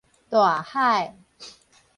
大海